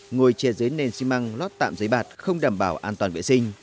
ngồi chia dưới nền xi măng lót tạm giấy bạt không đảm bảo an toàn vệ sinh